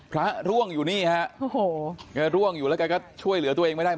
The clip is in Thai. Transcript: พระร่วงอยู่นี่ฮะโอ้โหแกร่วงอยู่แล้วแกก็ช่วยเหลือตัวเองไม่ได้